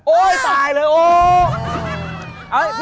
โอ้ยตายเลยโอ้ย